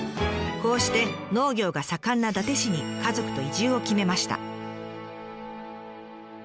こうして農業が盛んな伊達市に家族と移住を決めました。